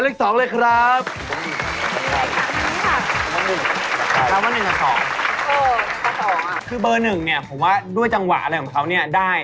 แล้วมันเกี่ยวกับวงโยธวาทิศอย่างไร